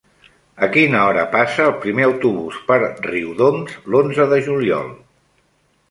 A quina hora passa el primer autobús per Riudoms l'onze de juliol?